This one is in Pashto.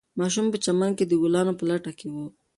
ماشوم په چمن کې د ګلانو په لټه کې و.